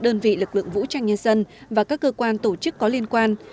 đơn vị lực lượng vũ trang nhân dân và các cơ quan tổ chức có liên quan